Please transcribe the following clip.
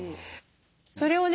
それをね